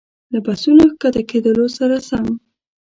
له بسونو ښکته کېدلو سره سم.